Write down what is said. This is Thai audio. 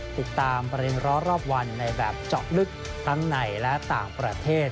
ติดตามประเด็นร้อนรอบวันในแบบเจาะลึกทั้งในและต่างประเทศ